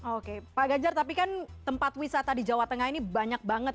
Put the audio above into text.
oke pak ganjar tapi kan tempat wisata di jawa tengah ini banyak banget